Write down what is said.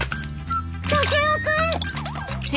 タケオ君！